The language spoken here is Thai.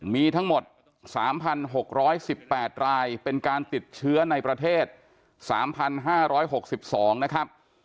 มีทั้งหมด๓๖๑๘รายเป็นการติดเชื้อในประเทศ๓๕๖๒นะครับ